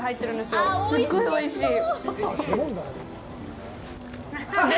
すごいおいしい。